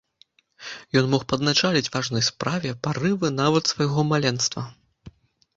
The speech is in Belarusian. Ён мог падначаліць важнай справе парывы нават свайго маленства.